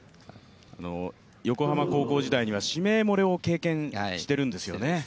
横浜高校時代には指名漏れを経験しているんですよね。